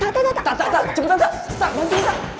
tak tak tak tak cepetan tak tak berhenti tak